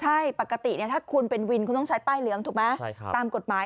ใช่ปกติถ้าคุณเป็นวินคุณต้องใช้ป้ายเหลืองถูกไหมตามกฎหมาย